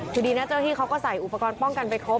อยู่ดีนะเจ้าหน้าที่เขาก็ใส่อุปกรณ์ป้องกันไปครบ